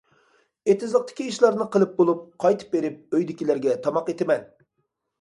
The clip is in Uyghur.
ئېتىزلىقتىكى ئىشلارنى قىلىپ بولۇپ، قايتىپ بېرىپ ئۆيدىكىلەرگە تاماق ئېتىمەن.